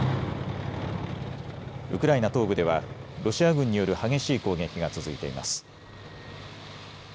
ウクライナ東部ではロシア軍による激しい攻撃が続いています。